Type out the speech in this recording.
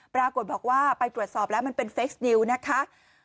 ปรากฏว่าไปตรวจสอบแล้วมันเป็นเฟคนิวนะคะ